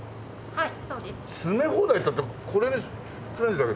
はい。